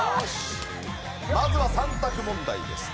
まずは３択問題です。